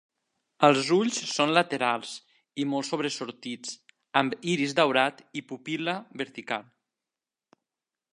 Els ulls són laterals i molt sobresortits, amb iris daurat i pupil·la vertical.